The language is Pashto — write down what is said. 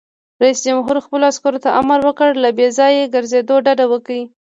رئیس جمهور خپلو عسکرو ته امر وکړ؛ له بې ځایه ګرځېدو ډډه وکړئ!